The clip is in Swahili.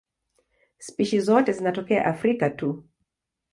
Spishi zote zinatokea Afrika tu.